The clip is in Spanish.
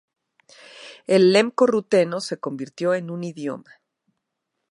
El lemko-ruteno se convirtió en un idioma.